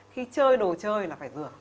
khi chơi đồ chơi là phải rửa